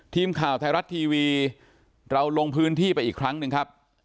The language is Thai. ทีมข่าวไทยรัฐทีวีเราลงพื้นที่ไปอีกครั้งหนึ่งครับ